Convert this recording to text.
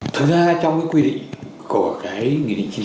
thực ra trong cái quy định của cái nghị định chín mươi